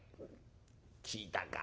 聞いたか？